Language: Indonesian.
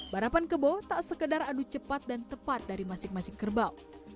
barapan kerbau tak sekedar adu cepat dan tepat dari masing masing kerbau